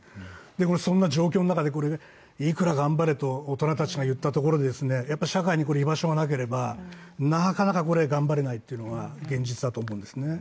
そんな状況の中で、いくら頑張れと大人たちが言ったところで、社会に居場所がなければ、なかなか頑張れないというのが現実だと思うんですね。